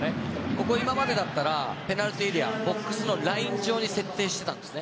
ここ、今までだったらペナルティーエリアボックスのライン上に設定していたんです。